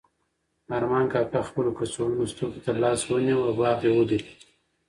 ارمان کاکا خپلو کڅوړنو سترګو ته لاس ونیو او باغ یې ولید.